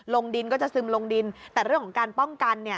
ลงดินก็จะซึมลงดินแต่เรื่องของการป้องกันเนี่ย